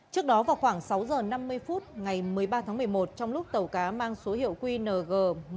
trước đó vào khoảng sáu h năm mươi phút ngày một mươi ba tháng một mươi một trong lúc tàu cá mang số hiệu qng một mươi một nghìn hai trăm một mươi ba